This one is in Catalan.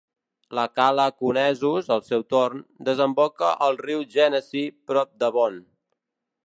La cala Conesus, al seu torn, desemboca al riu Genesee prop d'Avon.